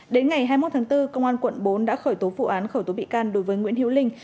đến ngày hai mươi một tháng bốn công an quận bốn đã khởi tố vụ án khởi tố bị can đối với nguyễn hiếu linh